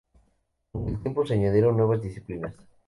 Con el tiempo se añadieron nuevas disciplinas.